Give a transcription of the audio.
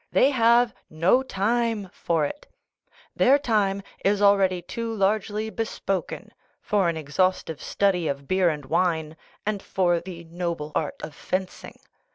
They have " no time " for it ; their time is already too largely bespoken for an exhaustive study of beer and wine and for the noble art of fencing.